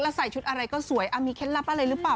แล้วใส่ชุดอะไรก็สวยมีเคล็ดลับอะไรหรือเปล่า